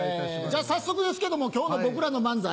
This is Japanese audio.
じゃあ早速ですけども今日の僕らの漫才